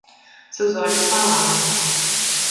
Seus olhos falavam.